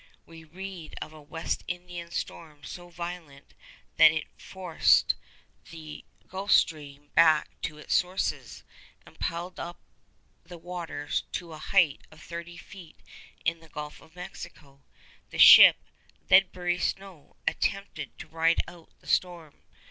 We read of a West Indian storm so violent, that 'it forced the Gulf Stream back to its sources, and piled up the water to a height of thirty feet in the Gulf of Mexico. The ship "Ledbury Snow" attempted to ride out the storm.